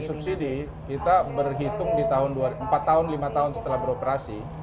subsidi kita berhitung di empat tahun lima tahun setelah beroperasi